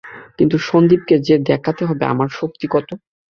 কিন্তু সন্দীপকে যে দেখাতে হবে আমার শক্তি কত!